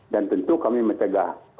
dan tentu kami mencegah